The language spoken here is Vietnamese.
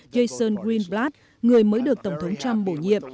jason greenblatt người mới được tổng thống trump bổ nhiệm